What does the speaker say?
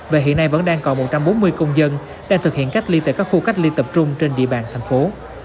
và hiện nay vẫn đang còn một trăm bốn mươi công dân đang thực hiện cách ly tại các khu cách ly tập trung trên địa bàn thành phố